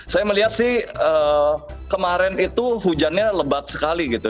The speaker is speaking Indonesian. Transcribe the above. saya melihat sih kemarin itu hujannya lebat sekali gitu